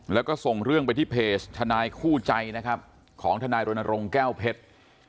แล้วก็ส่งเรื่องไปที่เพจทนายคู่ใจนะครับของทนายรณรงค์แก้วเพชร